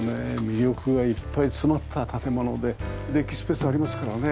魅力がいっぱい詰まった建物でデッキスペースありますからね。